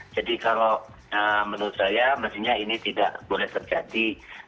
jadi kalau menurut saya mestinya ini tidak boleh terjadi